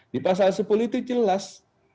di pasal sepuluh itu jelas